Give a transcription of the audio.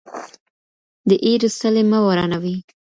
د ايرو څلی مه ورانوئ.